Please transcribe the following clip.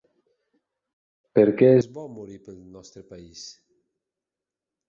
Per què és bo morir pel nostre país?